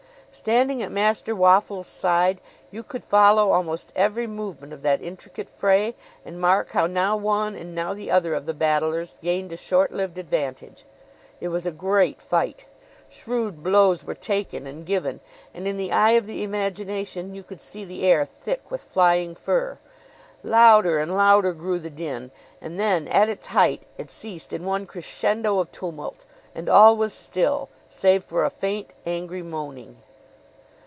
Standing at Master Waffles' side, you could follow almost every movement of that intricate fray, and mark how now one and now the other of the battlers gained a short lived advantage. It was a great fight. Shrewd blows were taken and given, and in the eye of the imagination you could see the air thick with flying fur. Louder and louder grew the din; and then, at its height, it ceased in one crescendo of tumult, and all was still, save for a faint, angry moaning.